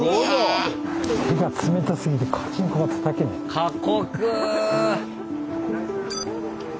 過酷。